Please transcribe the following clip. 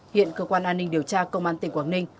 hiện cơ quan an ninh điều tra công an tỉnh quảng ninh